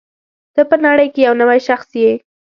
ته په نړۍ کې یو نوی شخص یې.